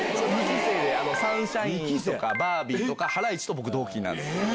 サンシャインとかバービーとか、ハライチと僕、同期なんです。